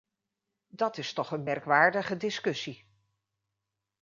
Dat is toch een merkwaardige discussie.